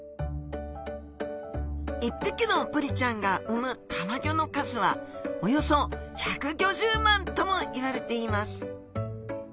１匹のブリちゃんが産むたまギョの数はおよそ１５０万ともいわれています